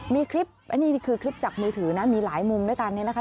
มีคลิปอันนี้นี่คือคลิปจากมือถือนะมีหลายมุมด้วยกันเนี่ยนะคะ